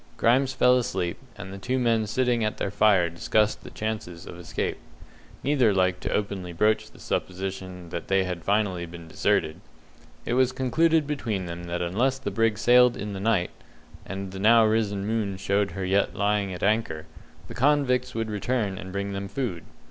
Grimes fell asleep, and the two men sitting at their fire discussed the chances of escape. Neither liked to openly broach the supposition that they had been finally deserted. It was concluded between them that unless the brig sailed in the night and the now risen moon showed her yet lying at anchor the convicts would return and bring them food.